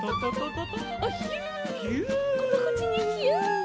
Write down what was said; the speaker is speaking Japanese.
こんどこっちにひゅ！